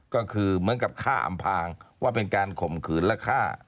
ก็คือเหมือนกับฆ่าอำพางว่าเป็นการข่มขืนและฆ่า